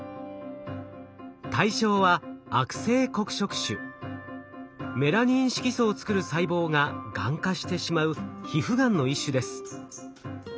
対象はメラニン色素を作る細胞ががん化してしまう皮膚がんの一種です。